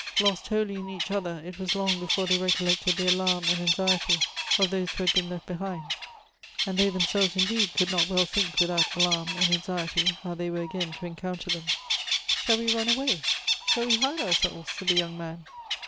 " Lost wholly in each other, it was long before they recollected the alarm and anxiety of those who had been 260 Goethe's left behind; and they themselves, indeed, could not ■well think, without alarm and anxiety, how they were again to encounter them. ' Shall we run away? shall we hide ourselves?' said the young man.